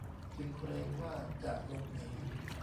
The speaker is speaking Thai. จึงเกรงว่าจะหลบหนี